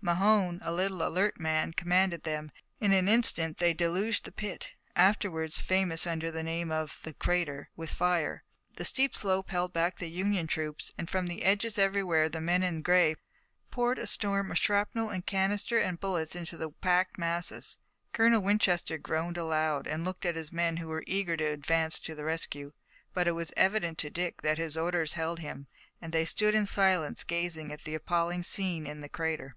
Mahone, a little, alert man, commanded them, and in an instant they deluged the pit, afterward famous under the name of "The Crater," with fire. The steep slope held back the Union troops and from the edges everywhere the men in gray poured a storm of shrapnel and canister and bullets into the packed masses. Colonel Winchester groaned aloud, and looked at his men who were eager to advance to the rescue, but it was evident to Dick that his orders held him, and they stood in silence gazing at the appalling scene in the crater.